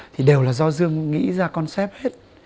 thì đều là do dương nghĩ ra concept hết